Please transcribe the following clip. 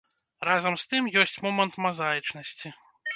Разам з тым ёсць момант мазаічнасці.